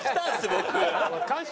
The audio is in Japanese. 僕。